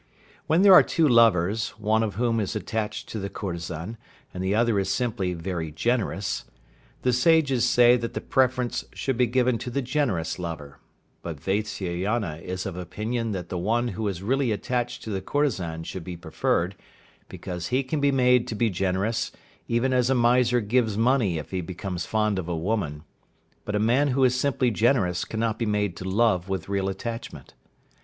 When there are two lovers, one of whom is attached to the courtesan, and the other is simply very generous, the Sages say that the preference should be given to the generous lover, but Vatsyayana is of opinion that the one who is really attached to the courtesan should be preferred, because he can be made to be generous, even as a miser gives money if he becomes fond of a woman, but a man who is simply generous cannot be made to love with real attachment.